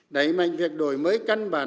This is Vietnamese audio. đẩy mạnh việc đổi mới căn bản